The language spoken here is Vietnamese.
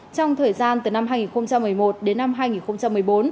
trong thời gian từ năm hai nghìn một mươi một đến năm hai nghìn một mươi bốn